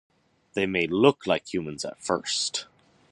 They may look like humans at first.